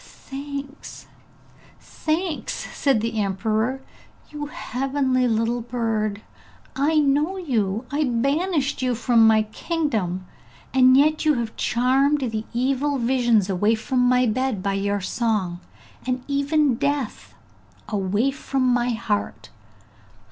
'Thanks, thanks!' said the emperor; 'you heavenly little bird, I know you! I banished you from my kingdom, and yet you have charmed the evil visions away from my bed by your song, and even Death away from my heart!